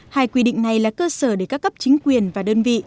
hai quy định này là cơ sở để các cấp chính quyền và đơn vị